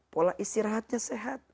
pola istirahatnya sehat